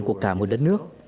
của cả một đất nước